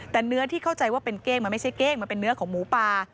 แต่เนื้อที่เข้าใจว่าเป็นเก้งมันไม่ใช่เก้งมันเป็นเนื้อของหมูป่า